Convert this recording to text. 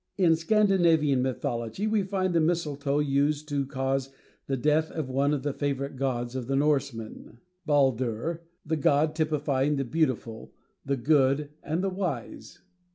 In Scandinavian mythology we find the mistletoe used to cause the death of one of the favorite gods of the Norsemen, Baldur, the god typifying the beautiful, the good, and the wise.